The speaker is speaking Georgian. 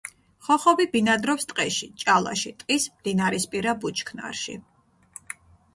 ხოხობი ბინადრობს ტყეში, ჭალაში, ტყის მდინარისპირა ბუჩქნარში.